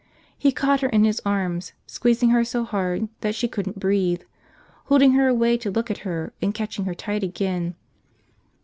He caught her in his arms, squeezing her so hard she couldn't breathe, holding her away to look at her and catching her tight again.